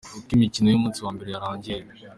Uko imikino y'umunsi wa mbere yarangiye:.